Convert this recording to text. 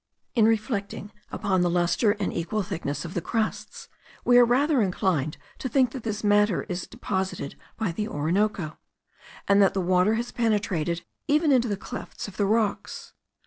In reflecting upon the lustre and equal thickness of the crusts, we are rather inclined to think that this matter is deposited by the Orinoco, and that the water has penetrated even into the clefts of the rocks.